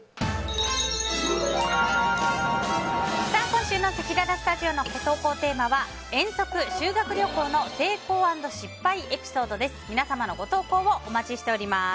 今週のせきららスタジオの投稿テーマは遠足＆修学旅行の成功＆失敗エピソードです。